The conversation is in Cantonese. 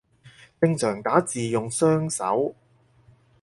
正常打字用雙手